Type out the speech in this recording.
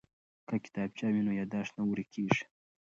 که کتابچه وي نو یادښت نه ورکیږي.